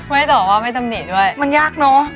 มันยากเนาะ